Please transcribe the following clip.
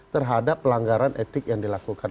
terhadap pelanggaran etik yang dilakukan